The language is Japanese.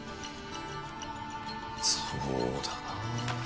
そうだな。